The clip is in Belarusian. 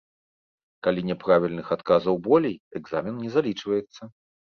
Калі няправільных адказаў болей, экзамен не залічваецца.